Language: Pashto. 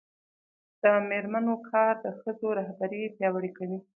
د میرمنو کار د ښځو رهبري پیاوړې کوي.